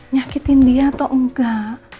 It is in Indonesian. nyakitin dia atau enggak